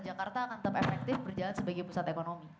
jakarta akan tetap efektif berjalan sebagai pusat ekonomi